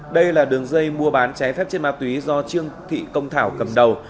đây là đường dây mua bán trái phép trên ma túy do trương thị công thảo cầm đầu